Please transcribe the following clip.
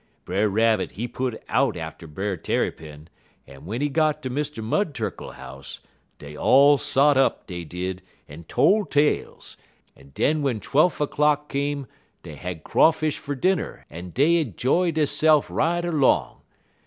Brer Rabbit he put out atter Brer Tarrypin, en w'en he got ter Mr. Mud Turkle house, dey all sot up, dey did, en tole tales, en den w'en twelf er'clock come dey had crawfish fer dinner, en dey 'joy deyse'f right erlong.